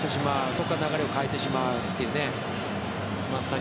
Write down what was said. そこから流れが変わってしまうというね。